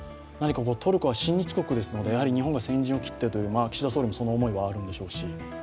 トルコは親日国ですので日本が先陣を切ってという岸田総理もその思いはあるでしょうし。